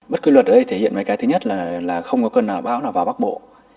bất cứ luật ở đây thể hiện mấy cái thứ nhất là không có cơn nào bão nào vào bắc bộ